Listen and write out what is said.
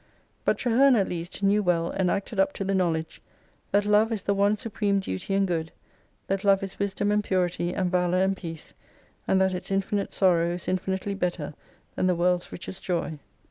But Traherne at least knew well and acted up to the knowledge that love is the one supreme duty and good, that love IS wisdom and purity and valour and peace and that its mfmite sorrow is mfinitely better than the worid s richest joy."